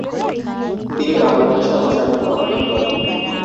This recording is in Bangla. তিনি বাংলাভাষা ও সাহিত্য অধ্যয়ন করেন।